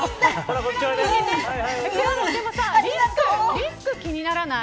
リスク、気にならない。